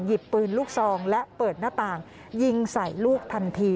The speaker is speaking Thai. ปืนลูกซองและเปิดหน้าต่างยิงใส่ลูกทันที